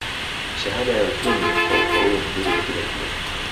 shahada ya uchumi kwa ufaulu mzuri katika chuo